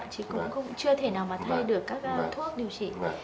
thì cũng chưa thể nào mà thay được các thuốc điều trị